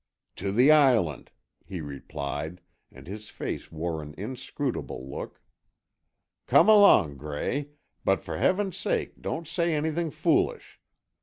"To the Island," he replied, and his face wore an inscrutable look, "Come along, Gray, but for Heaven's sake don't say anything foolish.